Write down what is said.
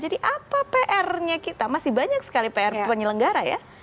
jadi pr nya kita masih banyak sekali pr penyelenggara ya